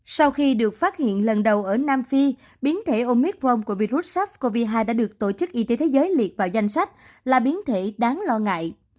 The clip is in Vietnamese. sau khi được phát hiện lần đầu ở nam phi biến thể omicron của virus sars cov hai đã được tổ chức y tế thế giới liệt vào danh sách là biến thể đáng lo ngại